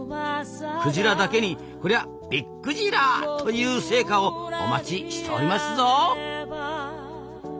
クジラだけに「こりゃびっくじら」という成果をお待ちしておりますぞ！